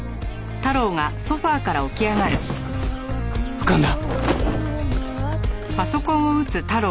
浮かんだ！